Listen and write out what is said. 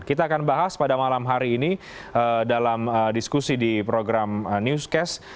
kita akan bahas pada malam hari ini dalam diskusi di program newscast